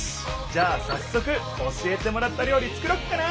じゃあさっそく教えてもらった料理作ろっかな！